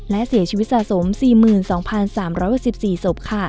และเสียชีวิตสะสม๔๒๓๖๔ศพ